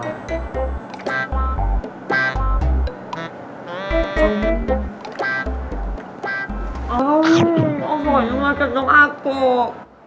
อ้าวอร่อยมากจากน้องอ้ากโกะ